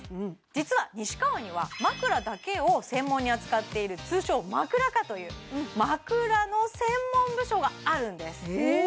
実は西川には枕だけを専門に扱っている通称まくら課という枕の専門部署があるんですえー